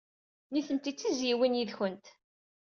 Nitenti d tizzyiwin yid-went.